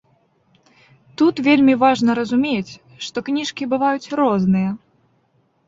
Тут вельмі важна разумець, што кніжкі бываюць розныя.